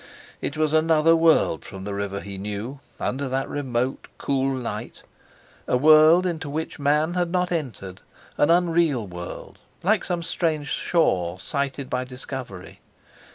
It was another world from the river he knew, under that remote cool light; a world into which man had not entered, an unreal world, like some strange shore sighted by discovery.